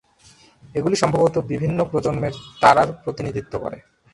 এগুলি সম্ভবত বিভিন্ন প্রজন্মের তারার প্রতিনিধিত্ব করে।